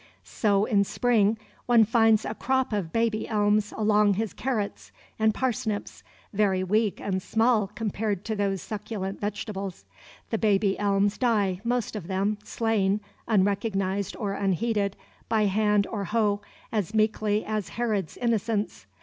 So, in spring, one finds a crop of baby elms among his carrots and parsnips, very weak and small compared to those succulent vegetables. The baby elms die, most of them, slain, unrecognized or unheeded, by hand or hoe, as meekly as Herod's innocents.